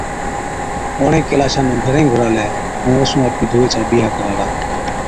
اُڻهين ڪيلاشا نُون گھرين گھُرالَي ائُون اوسُون آپڪِي ڌُوئي چا بِيها ڪرالا۔